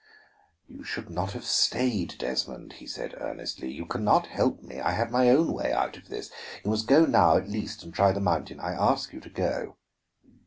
"You should not have stayed, Desmond," he said earnestly. "You can not help me; I have my own way out of this. You must go now, at least, and try the mountain. I ask you to go."